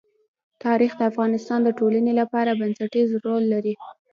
تاریخ د افغانستان د ټولنې لپاره بنسټيز رول لري.